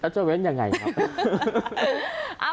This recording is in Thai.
จะเว้นยังไงครับ